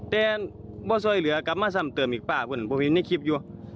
แต่บ่สอยเหลือกลับมาซ้ำเติมอีกป้าผมเห็นในคลิปอยู่